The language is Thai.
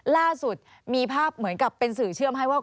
ล่าสุดมีภาพเหมือนกับเป็นสื่อเชื่อมให้ว่า